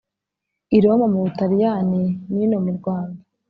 , i Roma mu Butaliyani, n’ino mu Rwanda.